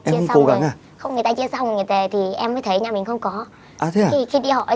mà chuồng trại phải chắc chắn